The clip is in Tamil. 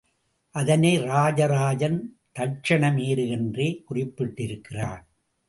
அதனை ராஜராஜன் தட்சிண மேரு என்றே குறிப்பிட்டிருக்கிறான்.